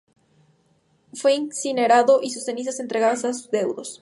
Fue incinerado, y sus cenizas entregadas a sus deudos.